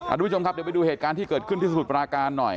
ทุกผู้ชมครับเดี๋ยวไปดูเหตุการณ์ที่เกิดขึ้นที่สมุทรปราการหน่อย